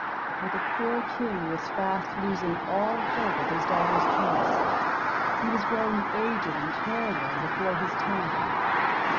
For the poor King was fast losing all hope of his daughter's case; he was growing aged and care worn before his time.